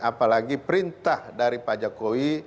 apalagi perintah dari pak jokowi